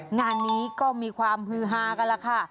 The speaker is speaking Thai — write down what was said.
งานนี้ก็มีความฮือฮากันแล้วค่ะ